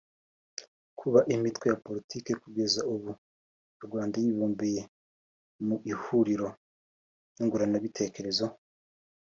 Kuba imitwe ya Politiki kugeza ubu mu Rwanda yibumbiye mu ihuriro nyunguranabitekerezo